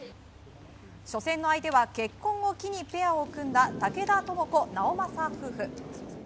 初戦の相手は結婚を機にペアを組んだ竹田智子・直将夫婦。